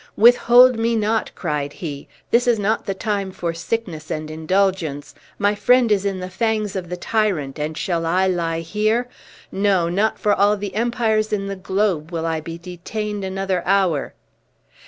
"Withhold me not!" cried he; "this is not the time for sickness and indulgence. My friend is in the fangs of the tyrant, and shall I lie here? No, not for all the empires in the globe will I be detained another hour."